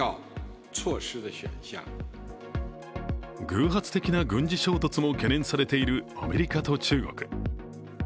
偶発的な軍事衝突も懸念されているアメリカと中国。